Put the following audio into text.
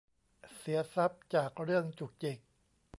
เสียทรัพย์จากเรื่องจุกจิก